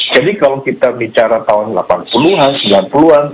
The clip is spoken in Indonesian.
jadi kalau kita bicara tahun delapan puluh an sembilan puluh an